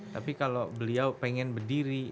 tapi kalau beliau pengen berdiri